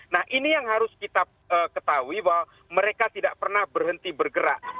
nah ini yang harus kita ketahui bahwa mereka tidak pernah berhenti bergerak